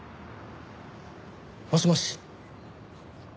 もしもし？